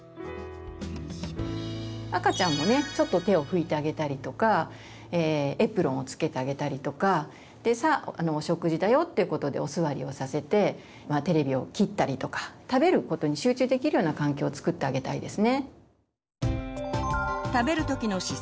赤ちゃんもねちょっと手を拭いてあげたりとかエプロンをつけてあげたりとか「さあお食事だよ」っていうことでお座りをさせてテレビを切ったりとか食べることに集中できるような環境をつくってあげたいですね。